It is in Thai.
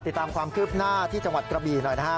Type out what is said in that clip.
ติดตามความคืบหน้าที่จังหวัดกระบีหน่อยนะครับ